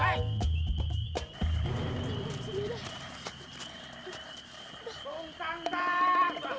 aku juga nggak tau